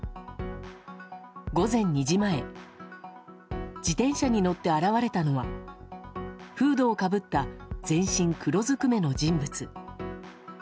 午前２時前自転車に乗って現れたのはフードをかぶった全身黒ずくめの人物。